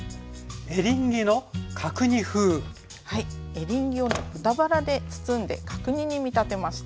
エリンギを豚バラで包んで角煮に見立てました。